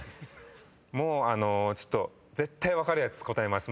もうあのちょっと絶対分かるやつ答えます